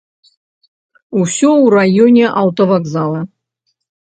Усё ў раёне аўтавакзала.